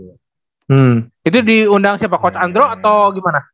itu diundang siapa coach andro atau gimana